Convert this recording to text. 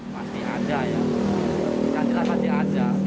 pasti ada ya pastilah pasti ada